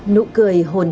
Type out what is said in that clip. nụ cười hồn hồng